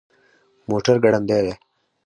موټر ګړندی دی